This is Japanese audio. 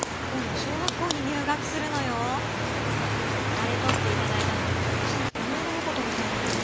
あれとっていただいたのついこないだのことみたいなのにね。